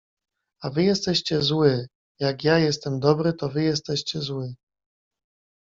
A wy jesteście zły! jak ja jestem dobry, to wy jestescie zły!